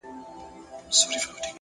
چي ياد پاته وي، ياد د نازولي زمانې،